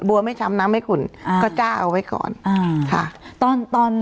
บัวไม่ช้ำน้ำไม่ขุนก็จ้าเอาไว้ก่อน